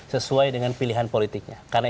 sesuai dengan pilihan politiknya karena